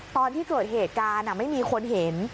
ตอนที่เกิดเหตุการณ์ไม่มีคนเห็น